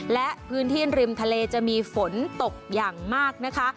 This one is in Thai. และพื้นที่ริมทะเลจะมีฝนตกอย่างมากนะคะ